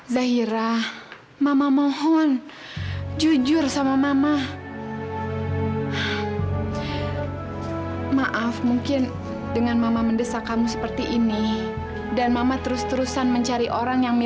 sampai jumpa di video selanjutnya